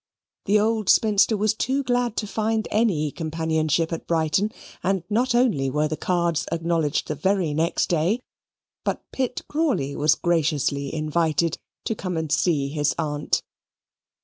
The old spinster was too glad to find any companionship at Brighton, and not only were the cards acknowledged the very next day, but Pitt Crawley was graciously invited to come and see his aunt.